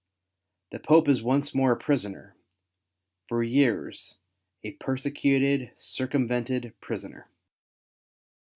The Pope is once more a prisoner — for years a persecuted circumvented prisoner.